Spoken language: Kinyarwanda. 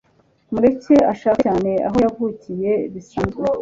mureke ashake cyane aho yavukiye bisanzwe